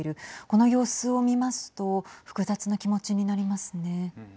この様子を見ますと複雑な気持ちになりますね。